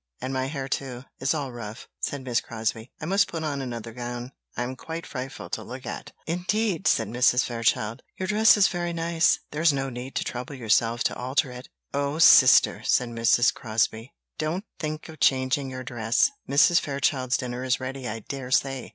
and my hair, too, is all rough," said Miss Crosbie; "I must put on another gown; I am quite frightful to look at!" "Indeed," said Mrs. Fairchild, "your dress is very nice; there is no need to trouble yourself to alter it." "Oh, sister," said Mrs. Crosbie, "don't think of changing your dress; Mrs. Fairchild's dinner is ready, I dare say."